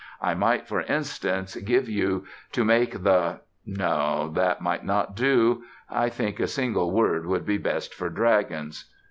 I might, for instance, give you 'To make the' No, that might not do. I think a single word would be best for dragons."